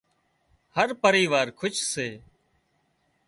هر پريوار کُش سي